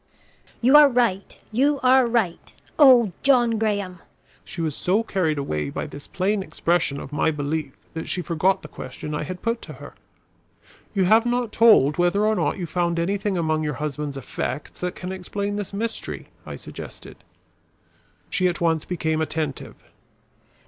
"You are right! You are right! Oh, John Graham!" She was so carried away by this plain expression of my belief that she forgot the question I had put to her. "You have not told whether or not you found anything among your husband's effects that can explain this mystery," I suggested. She at once became attentive.